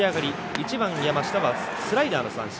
１番山下はスライダーの三振。